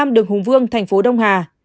đường hùng vương tp đông hà